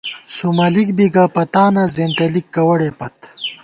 سُومَلِک بی گہ پتانہ ، زېنتېلِک کوَڑے پت